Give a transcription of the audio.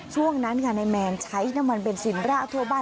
ช่วงนั้นค่ะนายแมนใช้น้ำมันเบนซินราทั่วบ้าน